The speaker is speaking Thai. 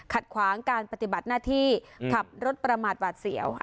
ขวางการปฏิบัติหน้าที่ขับรถประมาทหวาดเสียว